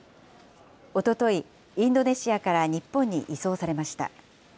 おととい、インドネシアから日本に移送されました。